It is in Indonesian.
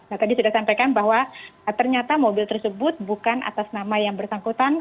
nah tadi sudah sampaikan bahwa ternyata mobil tersebut bukan atas nama yang bersangkutan